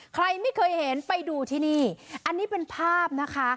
ใครไม่เคยเห็นไปดูที่นี่อันนี้เป็นภาพนะคะ